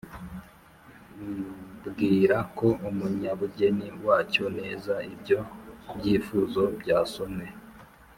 bwira ko umunyabugeni wacyo neza ibyo byifuzo byasomwe